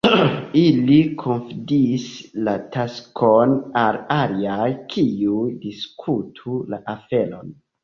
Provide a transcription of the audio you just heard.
Ili konfidis la taskon al aliaj, kiuj diskutu la aferon.